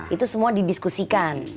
itu semua didiskusikan